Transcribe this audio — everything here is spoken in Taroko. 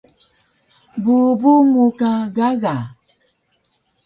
Bubu mu ka gaga